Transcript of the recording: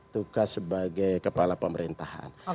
tugas sebagai kepala pemerintahan